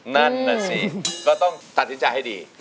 นั่นน่ะสิก็ต้องตัดสินใจให้ดี